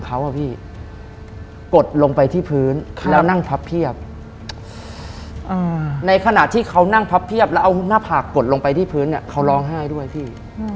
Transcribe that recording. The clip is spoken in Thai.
เขาอะพี่กดลงไปที่พื้นแล้วนั่งพับเพียบในขณะที่เขานั่งพับเพียบแล้วเอาหน้าผากกดลงไปที่พื้นเนี่ยเขาร้องไห้ด้วยพี่